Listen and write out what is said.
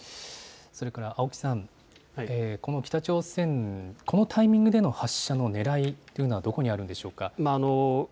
青木さん、北朝鮮、このタイミングでの発射のねらいというのはどこにあるんでしょうか。